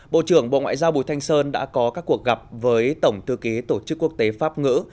bộ trưởng bộ ngoại giao bùi thanh sơn đã có các cuộc gặp với tổng thư ký tổ chức quốc tế pháp ngữ